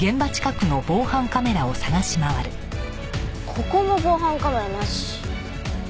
ここも防犯カメラなし。